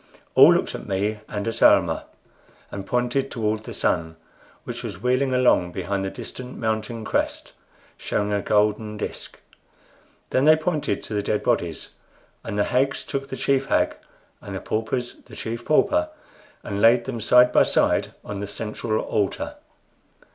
All looked at me and at Almah, and pointed toward the sun, which was wheeling along behind the distant mountain crest, showing a golden disc. Then they pointed to the dead bodies; and the hags took the Chief Hag, and the paupers the Chief Pauper, and laid them side by side on the central altar.